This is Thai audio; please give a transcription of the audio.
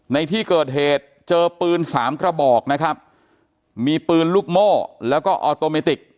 ในที่เกิดเหตุเจอปืนสามกระบอกนะครับมีปืนลูกโม่แล้วก็ออโตเมติก